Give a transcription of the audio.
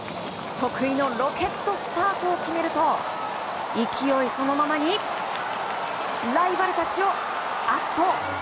得意のロケットスタートを決めると勢いそのままにライバルたちを圧倒。